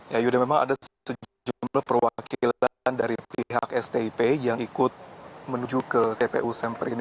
ya yuda memang ada sejumlah perwakilan dari pihak stip yang ikut menuju ke tpu semper ini